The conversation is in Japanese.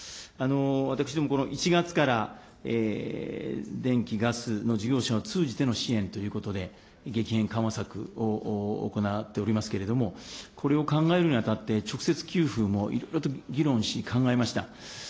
私ども、この１月から電気・ガスの事業者を通じての支援ということで、激変緩和策を行っておりますけれども、これを考えるにあたって、直接給付もいろいろと議論し、考えました。